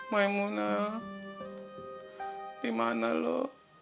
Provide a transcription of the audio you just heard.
maimunah dimana lo